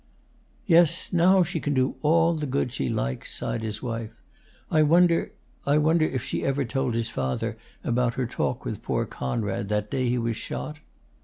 "Yes, now she can do all the good she likes," sighed his wife. "I wonder I wonder if she ever told his father about her talk with poor Conrad that day he was shot?"